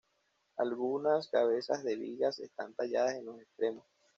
Algunas cabezas de vigas están talladas en los extremos.